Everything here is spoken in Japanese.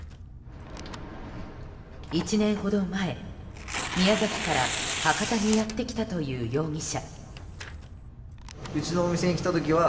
１年ほど前、宮崎から博多にやってきたという容疑者。